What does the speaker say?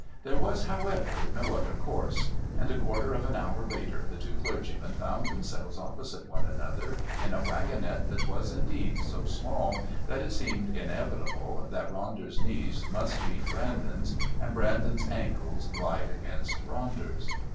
There was, however, no other course, and, a quarter of an hour later, the two clergymen found themselves opposite one another in a wagonette that was indeed so small that it seemed inevitable that Ronder's knees must meet Brandon's and Brandon's ankles glide against Ronder's.